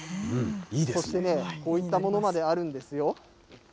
そしてね、こういったものまであるんですよ。